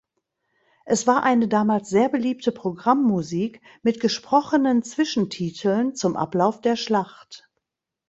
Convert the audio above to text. Es war eine damals sehr beliebte Programmmusik mit gesprochenen Zwischentiteln zum Ablauf der Schlacht.